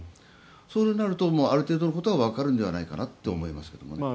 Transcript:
そうなるとある程度のことはわかるんではないかなと思いますけども。